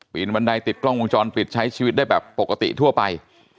บันไดติดกล้องวงจรปิดใช้ชีวิตได้แบบปกติทั่วไป